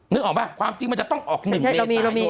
นึกออกไหมความจริงแน่จะต้องออก๑เมษายน